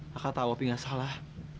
kakak tahu opi gak salah